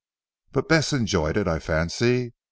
But Bess enjoyed it I fancy.